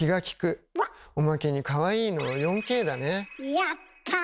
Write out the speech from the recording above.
やった。